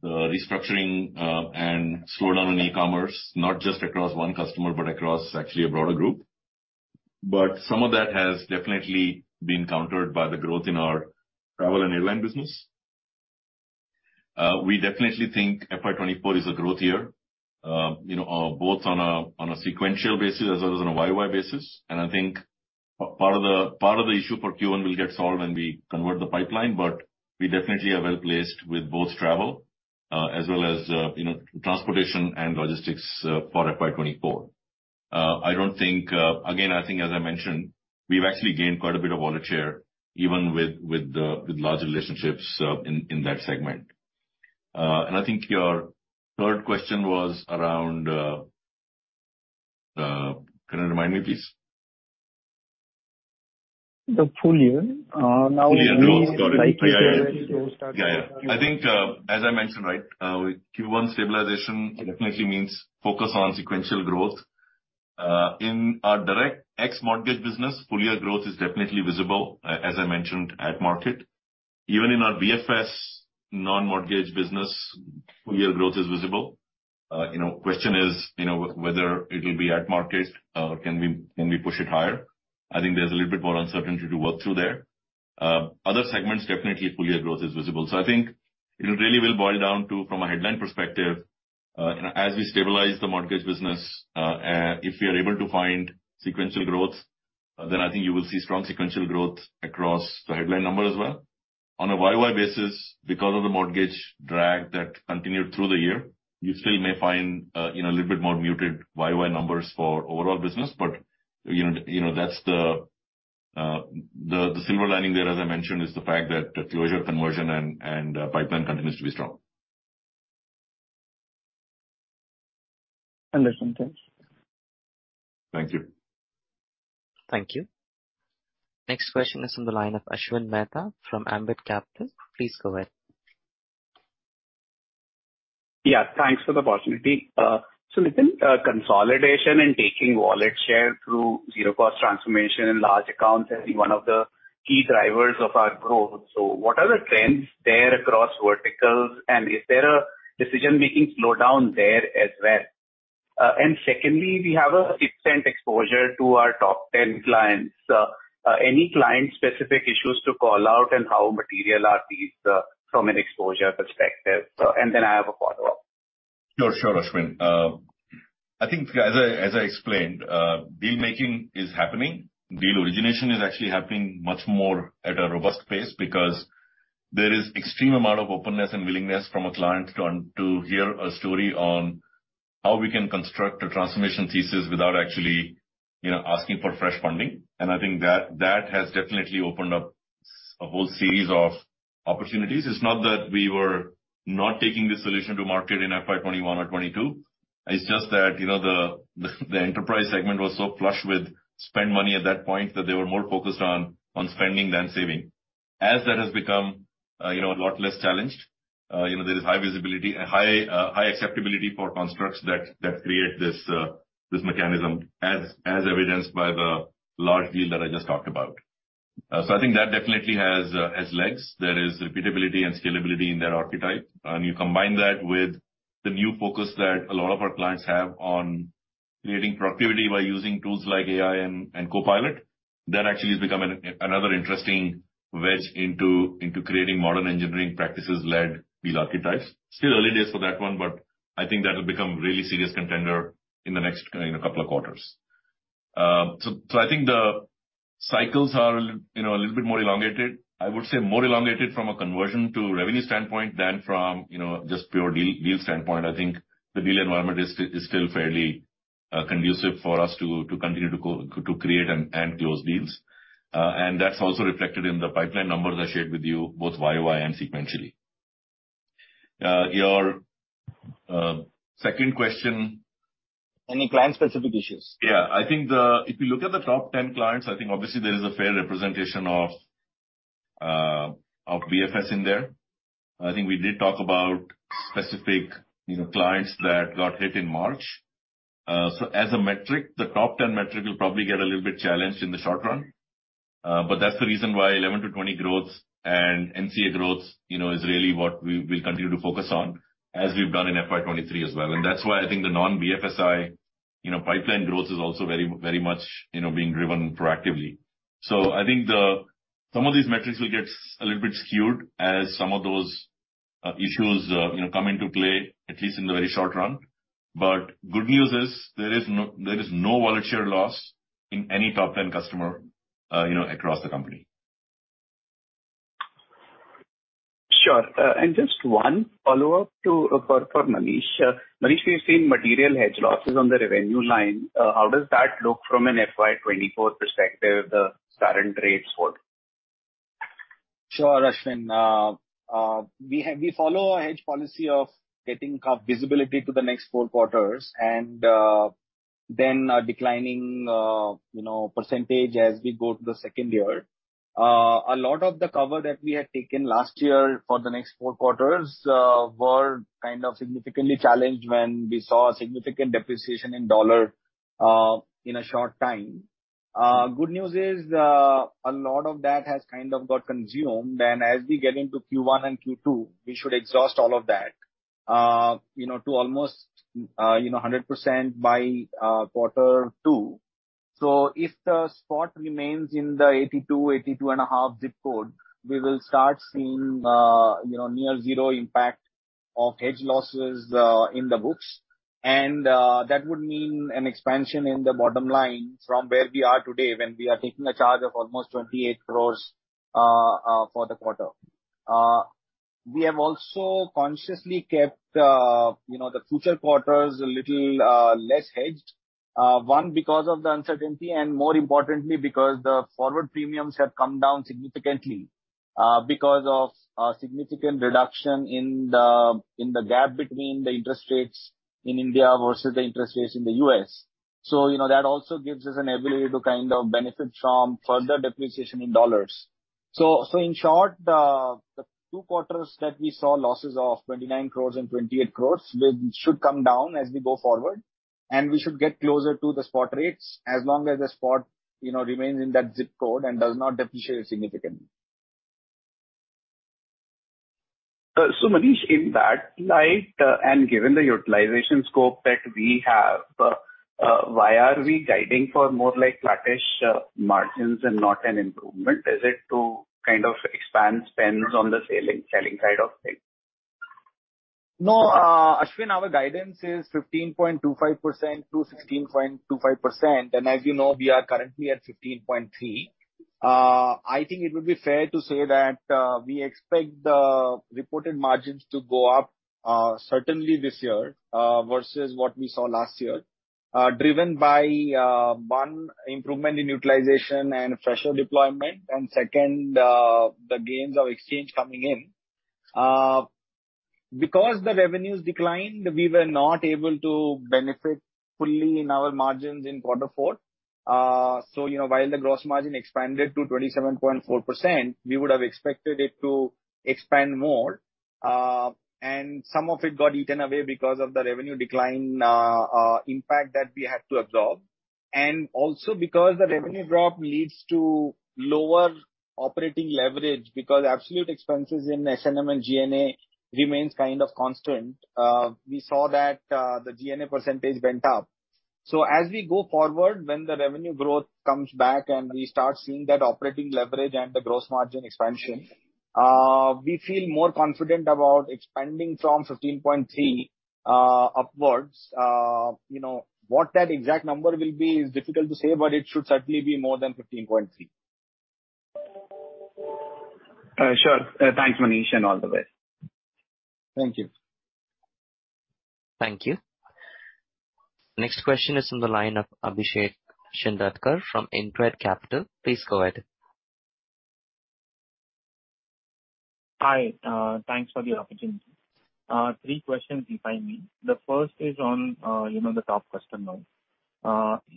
B: restructuring, and slowdown in e-commerce. Not just across one customer, but across actually a broader group. Some of that has definitely been countered by the growth in our travel and airline business. We definitely think FY 2024 is a growth year. You know, both on a sequential basis as well as on a year-over-year basis. I think part of the issue for Q1 will get solved when we convert the pipeline, but we definitely are well-placed with both travel, as well as, you know, transportation and logistics, for FY 2024. I don't think... Again, I think as I mentioned, we've actually gained quite a bit of wallet share even with large relationships in that segment. I think your third question was around, can you remind me please?
J: The full year.
B: Full year growth. Got it. Yeah, yeah.
J: Like you said, you started.
B: As I mentioned, right, Q1 stabilization definitely means focus on sequential growth. In our direct ex-mortgage business, full year growth is definitely visible, as I mentioned, at market. Even in our BFS non-mortgage business, full year growth is visible. You know, question is, you know, whether it will be at market or can we push it higher? I think there's a little bit more uncertainty to work through there. Other segments, definitely full year growth is visible. I think it really will boil down to from a headline perspective, you know, as we stabilize the mortgage business, if we are able to find sequential growth, then I think you will see strong sequential growth across the headline number as well. On a YY basis, because of the mortgage drag that continued through the year, you still may find, a little bit more muted YY numbers for overall business. You know, that's the, the silver lining there, as I mentioned, is the fact that closure conversion and pipeline continues to be strong.
K: Understand. Thanks.
B: Thank you.
A: Thank you. Next question is on the line of Ashwin Mehta from AMBIT Capital. Please go ahead.
L: Thanks for the opportunity. Nitin, consolidation and taking wallet share through zero cost transformation in large accounts has been one of the key drivers of our growth. What are the trends there across verticals? Is there a decision-making slowdown there as well? Secondly, we have a % exposure to our top 10 clients. Any client-specific issues to call out and how material are these from an exposure perspective? I have a follow-up.
B: Sure, Ashwin. I think as I explained, deal making is happening. Deal origination is actually happening much more at a robust pace because there is extreme amount of openness and willingness from a client to hear a story on how we can construct a transformation thesis without actually, you know, asking for fresh funding. I think that has definitely opened up a whole series of opportunities. It's not that we were not taking the solution to market in FY 21 or 22. It's just that, you know, the enterprise segment was so flush with spend money at that point that they were more focused on spending than saving. As that has become, you know, a lot less challenged, you know, there is high visibility, high acceptability for constructs that create this mechanism, as evidenced by the large deal that I just talked about. I think that definitely has legs. There is repeatability and scalability in that archetype. You combine that with the new focus that a lot of our clients have on creating productivity by using tools like AI and Copilot. That actually has become another interesting wedge into creating modern engineering practices-led deal archetypes. Still early days for that one, but I think that'll become really serious contender in the next, you know, couple of quarters. I think the cycles are you know, a little bit more elongated. I would say more elongated from a conversion to revenue standpoint than from, you know, just pure deal standpoint. I think the deal environment is still fairly conducive for us to continue to create and close deals. That's also reflected in the pipeline numbers I shared with you, both YY and sequentially. Your second question.
L: Any client-specific issues?
B: If you look at the top 10 clients, I think obviously there is a fair representation of BFS in there. I think we did talk about specific, you know, clients that got hit in March. As a metric, the top 10 metric will probably get a little bit challenged in the short run. That's the reason why 11 to 20 growth and NCA growth, you know, is really what we will continue to focus on as we've done in FY 23 as well. That's why I think the non-BFSI, you know, pipeline growth is also very, very much, you know, being driven proactively. I think some of these metrics will get a little bit skewed as some of those issues, you know, come into play, at least in the very short run. Good news is there is no wallet share loss in any top 10 customer, you know, across the company.
L: Sure. Just one follow-up for Manish. Manish, we've seen material hedge losses on the revenue line. How does that look from an FY 2024 perspective, the current rates forward?
K: Sure, Ashwin. We follow a hedge policy of getting visibility to the next four quarters and then declining, you know, percentage as we go to the second year. A lot of the cover that we had taken last year for the next four quarters were kind of significantly challenged when we saw a significant depreciation in dollar in a short time. Good news is a lot of that has kind of got consumed. As we get into Q1 and Q2, we should exhaust all of that, you know, to almost, you know, 100% by quarter two. If the spot remains in the 82.5 ZIP code, we will start seeing, you know, near zero impact of hedge losses in the books. That would mean an expansion in the bottom line from where we are today when we are taking a charge of almost 28 crores for the quarter. We have also consciously kept, you know, the future quarters a little less hedged. One, because of the uncertainty, and more importantly because the forward premiums have come down significantly because of a significant reduction in the gap between the interest rates in India versus the interest rates in the U.S. You know, that also gives us an ability to kind of benefit from further depreciation in dollars. In short, the two quarters that we saw losses of 29 crores and 28 crores, they should come down as we go forward, and we should get closer to the spot rates as long as the spot, you know, remains in that ZIP code and does not depreciate significantly.
L: Manish, in that light, and given the utilization scope that we have, why are we guiding for more like flattish margins and not an improvement? Is it to kind of expand spends on the selling side of things?
K: No. Ashwin, our guidance is 15.25%-16.25%. As you know, we are currently at 15.3%. I think it would be fair to say that we expect the reported margins to go up certainly this year versus what we saw last year, driven by one, improvement in utilization and fresher deployment, and second, the gains of exchange coming in. Because the revenues declined, we were not able to benefit fully in our margins in quarter four. You know, while the gross margin expanded to 27.4%, we would have expected it to expand more. Some of it got eaten away because of the revenue decline impact that we had to absorb. Also because the revenue drop leads to lower operating leverage because absolute expenses in S&M and G&A remains kind of constant. We saw that the G&A percentage went up. As we go forward, when the revenue growth comes back and we start seeing that operating leverage and the gross margin expansion, we feel more confident about expanding from 15.3% upwards. You know, what that exact number will be is difficult to say, but it should certainly be more than 15.3%.
L: Sure. Thanks, Manish, and all the best.
K: Thank you.
A: Thank you. Next question is from the line of Abhishek Shindadkar from InCred Capital. Please go ahead.
I: Hi, thanks for the opportunity. Three questions if I may. The first is on, you know, the top customer.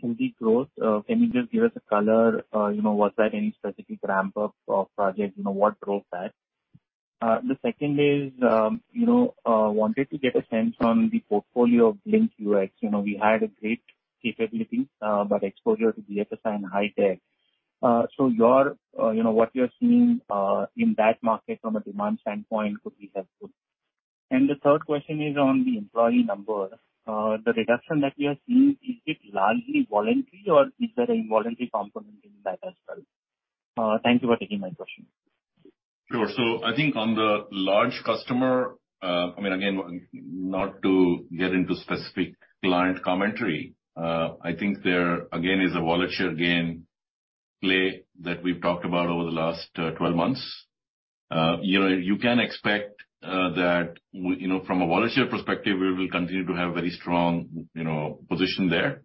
I: In the growth, can you just give us a color? You know, was there any specific ramp-up of project? You know, what drove that? The second is, you know, wanted to get a sense on the portfolio of Blink UX. You know, we had a great capability, but exposure to DFS and high tech. So your, you know, what you're seeing in that market from a demand standpoint would be helpful. The third question is on the employee number. The reduction that we are seeing, is it largely voluntary or is there any voluntary component in that as well? Thank you for taking my question.
B: Sure. I think on the large customer, I mean, again, not to get into specific client commentary, I think there again is a wallet share gain play that we've talked about over the last 12 months. You know, you can expect that, you know, from a wallet share perspective, we will continue to have very strong, you know, position there.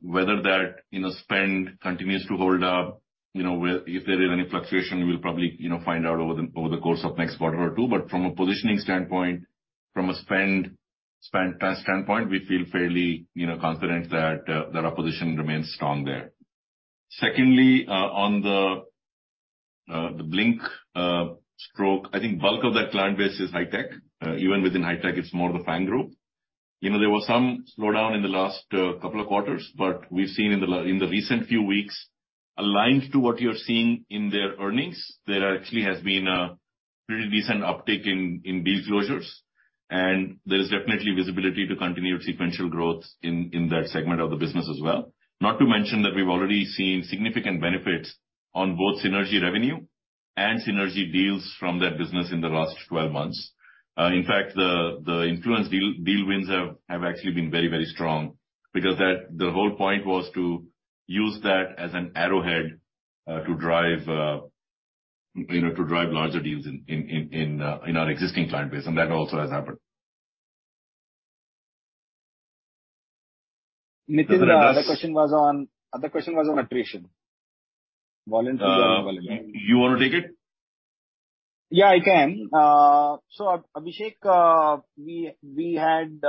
B: Whether that, you know, spend continues to hold up. You know, if there is any fluctuation, we'll probably, you know, find out over the, over the course of next quarter or 2. But from a positioning standpoint, from a spend standpoint, we feel fairly, you know, confident that our position remains strong there. Secondly, on the Blink, stroke, I think bulk of that client base is high-tech. Even within high tech, it's more the FAANG group. You know, there was some slowdown in the last couple of quarters, but we've seen in the recent few weeks, aligned to what you're seeing in their earnings. There actually has been a pretty decent uptick in deal closures. There is definitely visibility to continued sequential growth in that segment of the business as well. Not to mention that we've already seen significant benefits on both synergy revenue and synergy deals from that business in the last 12 months. In fact, the Influence deal wins have actually been very, very strong because that the whole point was to use that as an arrowhead to drive, you know, to drive larger deals in our existing client base, and that also has happened.
K: Nitin, the other question was on attrition. Voluntary or involuntary.
B: You want to take it?
K: Yeah, I can. Abhishek, we had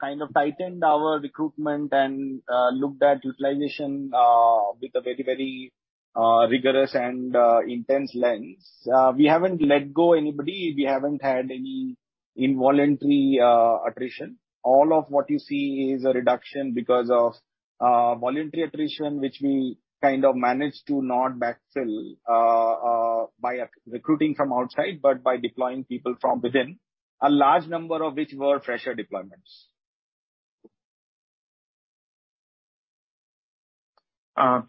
K: kind of tightened our recruitment and looked at utilization with a very, very rigorous and intense lens. We haven't let go anybody. We haven't had any involuntary attrition. All of what you see is a reduction because of voluntary attrition, which we kind of managed to not backfill by recruiting from outside, but by deploying people from within, a large number of which were fresher deployments.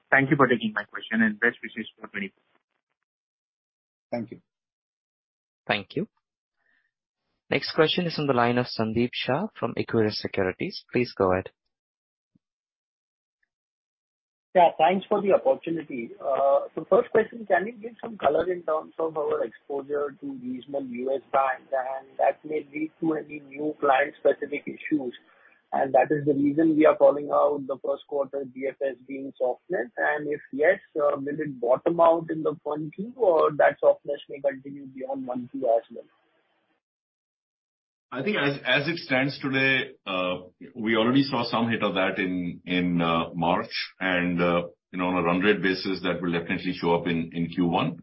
I: Thank you for taking my question, and best wishes for 2024.
K: Thank you.
A: Thank you. Next question is on the line of Sandeep Shah from Equirus Securities. Please go ahead.
M: Thanks for the opportunity. First question, can you give some color in terms of our exposure to regional U.S. banks and that may lead to any new client-specific issues? That is the reason we are calling out the Q1 DFS being softness. If yes, will it bottom out in the quarter two or that softness may continue beyond 1, 2 as well?
B: As it stands today, we already saw some hit of that in March and, you know, on a run rate basis that will definitely show up in Q1.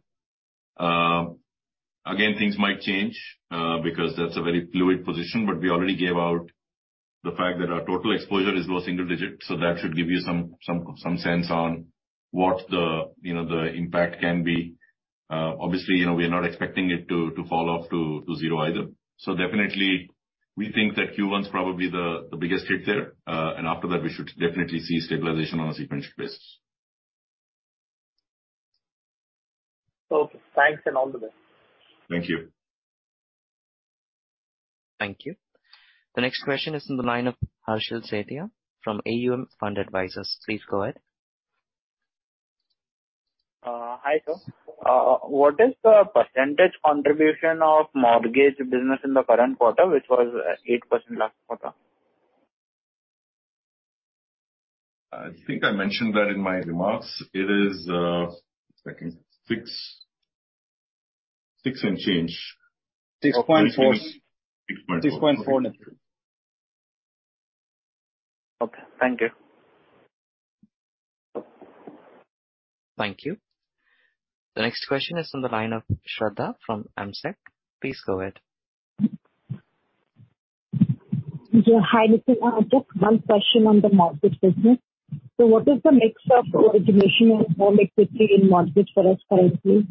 B: Again, things might change, because that's a very fluid position, but we already gave out the fact that our total exposure is low single digit, so that should give you some sense on what the, you know, the impact can be. Obviously, you know, we are not expecting it to fall off to zero either. Definitely, we think that Q1 is probably the biggest hit there, and after that, we should definitely see stabilization on a sequential basis.
M: Okay. Thanks and all the best.
B: Thank you.
A: Thank you. The next question is in the line of Harshal Sethia from AUM Fund Advisors. Please go ahead.
N: Hi, sir. What is the percentage contribution of mortgage business in the current quarter, which was 8% last quarter?
B: I think I mentioned that in my remarks. It is, I think 6 and change.
N: 6.4.
B: 6.4.
N: 6.4. Okay, thank you.
F: Thank you. The next question is on the line of Shraddha from AMSEC. Please go ahead.
O: Hi, Nithin. I have just one question on the mortgage business. What is the mix of origination and home equity in mortgage for us currently?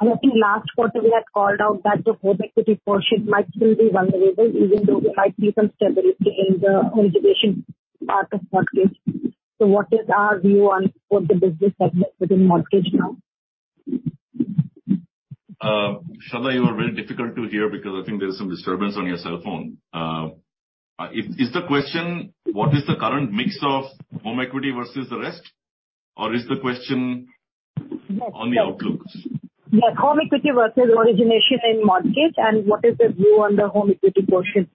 O: I think last quarter, we had called out that the home equity portion might still be vulnerable, even though we might see some stability in the origination part of mortgage. What is our view on what the business has within mortgage now?
B: Shraddha, you are very difficult to hear because I think there's some disturbance on your cell phone. Is the question, what is the current mix of home equity versus the rest? Or is the question on the outlooks?
O: Yeah. home equity versus origination in mortgage and what is the view on the home equity portion.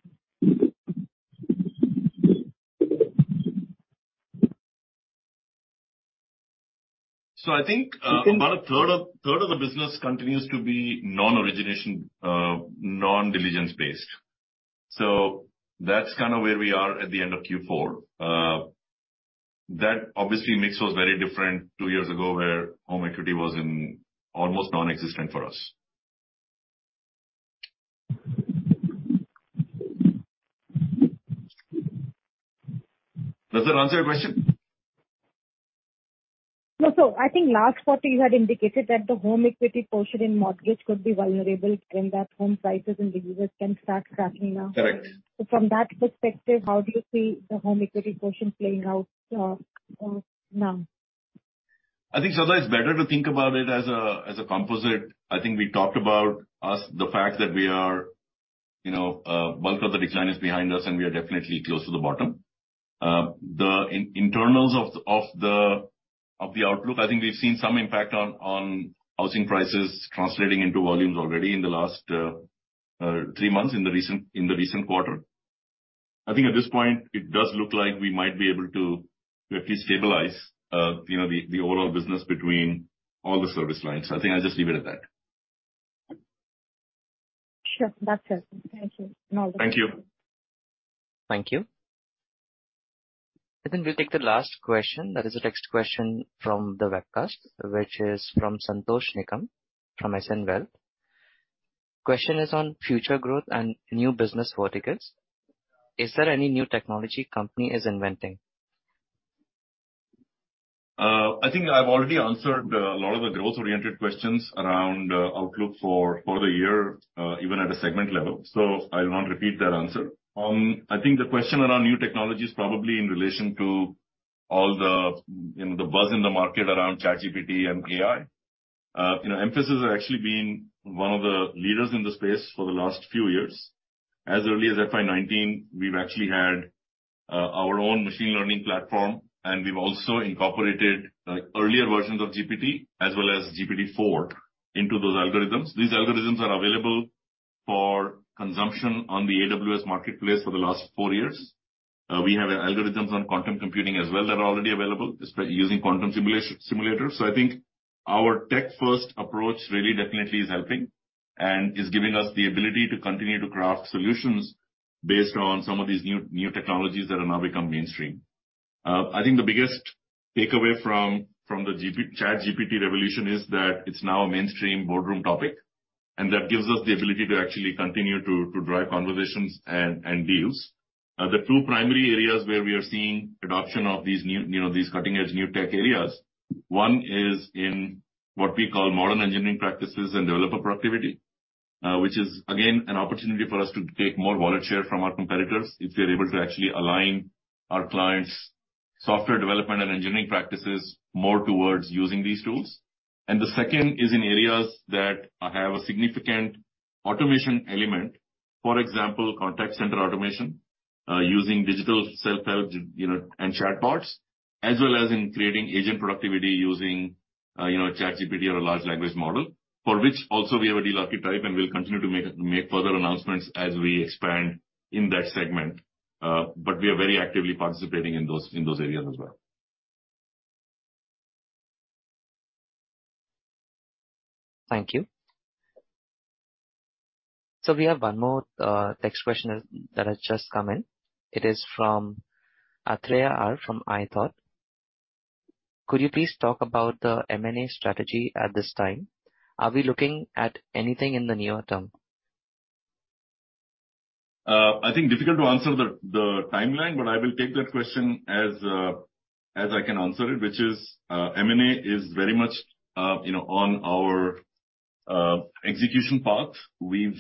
B: I think, about a third of the business continues to be non-origination, non-diligence based. That's kind of where we are at the end of Q4. That obviously mix was very different 2 years ago, where home equity was in almost nonexistent for us. Does that answer your question?
O: No. I think last quarter you had indicated that the home equity portion in mortgage could be vulnerable and that home prices and wages can start crashing now.
B: Correct.
O: From that perspective, how do you see the home equity portion playing out, now?
B: IShraddha, it's better to think about it as a composite. I think we talked about us, the fact that we are, you know, bulk of the decline is behind us, and we are definitely close to the bottom. The internals of the outlook, I think we've seen some impact on housing prices translating into volumes already in the last three months in the recent quarter. I think at this point it does look like we might be able to at least stabilize, you know, the overall business between all the service lines. I think I'll just leave it at that.
O: Sure. That's it. Thank you. All the best.
B: Thank you.
A: Thank you. we'll take the last question. That is the next question from the webcast, which is from Santosh Nikam from SN Wealth. Question is on future growth and new business verticals. Is there any new technology company is inventing?
B: I've already answered a lot of the growth-oriented questions around outlook for the year, even at a segment level. I will not repeat that answer. I think the question around new technology is probably in relation to all the, you know, the buzz in the market around ChatGPT and AI. You know, Mphasis has actually been one of the leaders in the space for the last few years. As early as FY 2019, we've actually had our own machine learning platform, and we've also incorporated earlier versions of GPT as well as GPT-4 into those algorithms. These algorithms are available for consumption on the AWS marketplace for the last four years. We have algorithms on quantum computing as well that are already available using quantum simulation, simulator. Our tech-first approach really definitely is helping and is giving us the ability to continue to craft solutions based on some of these new technologies that are now become mainstream. I think the biggest takeaway from the ChatGPT revolution is that it's now a mainstream boardroom topic, and that gives us the ability to actually continue to drive conversations and deals. The two primary areas where we are seeing adoption of these new, you know, these cutting-edge new tech areas, one is in what we call modern engineering practices and developer productivity, which is again, an opportunity for us to take more wallet share from our competitors if we are able to actually align our clients' software development and engineering practices more towards using these tools. The second is in areas that have a significant automation element. For example, contact center automation, using digital self-help, you know, and chatbots, as well as in creating agent productivity using, you know, ChatGPT or a large language model, for which also we have a deal archetype and will continue to make further announcements as we expand in that segment. We are very actively participating in those areas as well.
A: Thank you. We have one more text question that has just come in. It is from Atreya R. from iThought. Could you please talk about the M&A strategy at this time? Are we looking at anything in the near term?
B: I think difficult to answer the timeline, but I will take that question as I can answer it, which is M&A is very much, you know, on our execution path. We've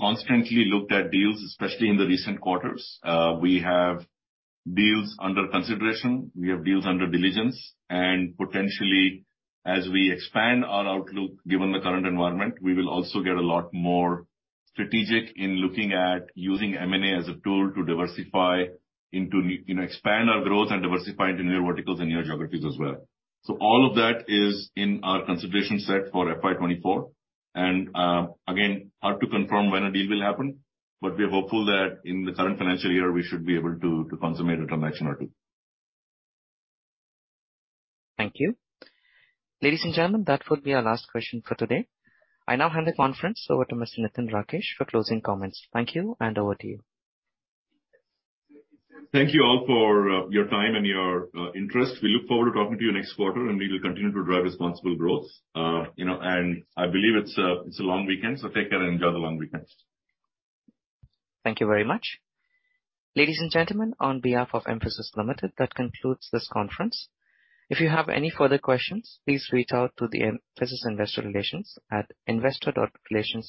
B: constantly looked at deals, especially in the recent quarters. We have deals under consideration. We have deals under diligence. Potentially, as we expand our outlook, given the current environment, we will also get a lot more strategic in looking at using M&A as a tool to diversify into, you know, expand our growth and diversify into new verticals and new geographies as well. All of that is in our consideration set for FY 2024. Again, hard to confirm when a deal will happen, but we are hopeful that in the current financial year we should be able to consummate a transaction or two.
A: Thank you. Ladies and gentlemen, that would be our last question for today. I now hand the conference over to Mr. Nitin Rakesh for closing comments. Thank you and over to you.
B: Thank you all for your time and your interest. We look forward to talking to you next quarter. We will continue to drive responsible growth. You know, I believe it's a long weekend, so take care and enjoy the long weekend.
A: Thank you very much. Ladies and gentlemen, on behalf of Mphasis Limited, that concludes this conference. If you have any further questions, please reach out to the Mphasis Investor Relations at investor.relations.